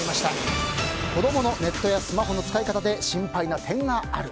子供のネットやスマホの使い方で心配な点がある。